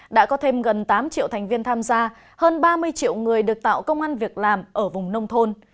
đã có thêm gần tám triệu thành viên tham gia hơn ba mươi triệu người được tạo công an việc làm ở vùng nông thôn